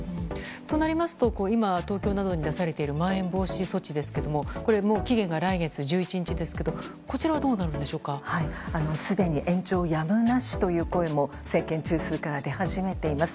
となりますと今、東京などで出されているまん延防止措置ですがこれも期限が来月１１日ですがすでに延長やむなしという声も政権中枢から出始めています。